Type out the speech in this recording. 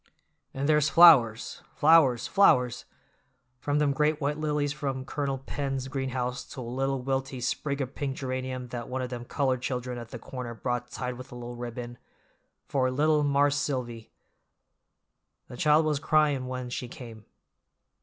And there's flowers, flowers, flowers!—from them great white lilies from Colonel Penn's greenhouse to a little wilty sprig o' pink geranium that one of them colored children at the corner brought tied with a white ribbon, for 'little Marse Silvy'; the child was cryin' when she came.